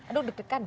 aduh deket kan deh